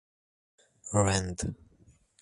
Rend.